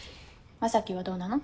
将暉はどうなの？